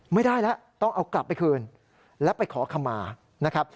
ไม่ได้แล้วต้องเอากลับไปคืนแล้วไปขอคำมานะครับ